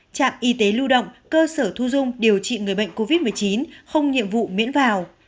trạm y tế lưu động cơ sở thu dung điều trị người bệnh covid một mươi chín không nhiệm vụ miễn vào